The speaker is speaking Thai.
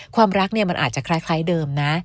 ความรักเนี่ยมันอาจจะคล้ายเดิมนะ